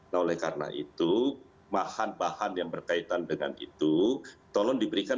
nah oleh karena itu bahan bahan yang berkaitan dengan itu tolong diberikan